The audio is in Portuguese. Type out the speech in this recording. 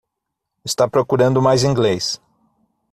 Está procurando mais inglês